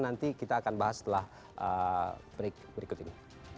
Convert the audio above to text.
nanti kita akan bahas setelah break berikut ini